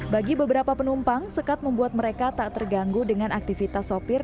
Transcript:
bagi beberapa penumpang sekat membuat mereka tak terganggu dengan aktivitas sopir